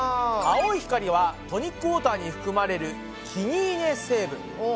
青い光はトニックウォーターに含まれるキニーネ成分。